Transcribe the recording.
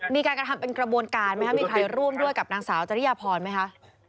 มีการกระทำเป็นกระบวนการไหมคะมีใครร่วมด้วยกับนางสาวจริยพรไหมคะ